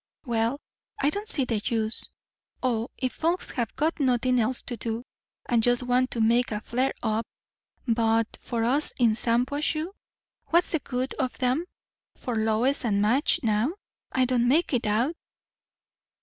"Well, I don't see the use. O, if folks have got nothing else to do, and just want to make a flare up but for us in Shampuashuh, what's the good of them? For Lois and Madge, now? I don't make it out."